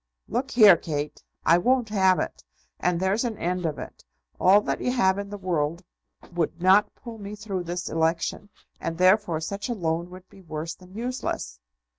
"Look here, Kate; I won't have it, and there's an end of it. All that you have in the world would not pull me through this election, and therefore such a loan would be worse than useless."